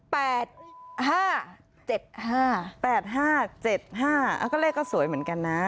๘๕๗๕แล้วก็เลขก็สวยเหมือนกันนะ